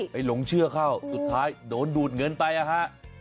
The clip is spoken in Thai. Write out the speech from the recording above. หลงเชื่อเข้าสุดท้ายโดนดูดเงินไปนะฮะ